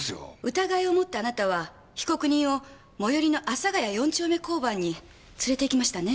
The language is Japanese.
疑いを持ったあなたは被告を最寄りの阿佐ヶ谷４丁目交番に連れて行きましたね？